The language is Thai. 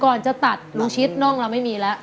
ก่อนจะตัดลุงชีศนอกเราไม่มีละ